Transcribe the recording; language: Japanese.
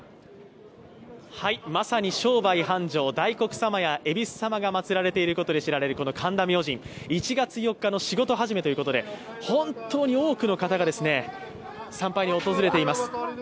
まさに商売繁盛大黒様や恵比寿様がまつられていることで知られるこの神田明神、１月４日の仕事始めということで本当に多くの方が参拝に訪れています。